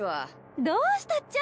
どうしたっちゃ？